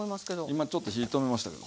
今ちょっと火止めましたけど。